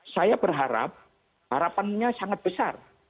saya berharap harapannya sangat besar